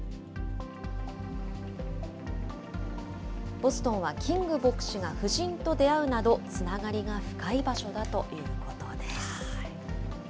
ボストンはキング牧師が夫人と出会うなど、つながりが深い場所だということです。